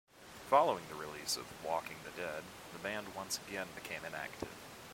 Following the release of Waking the Dead the band once again become inactive.